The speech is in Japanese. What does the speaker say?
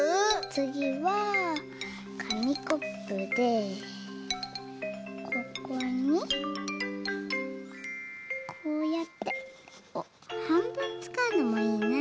つぎはかみコップでここにこうやってはんぶんつかうのもいいな。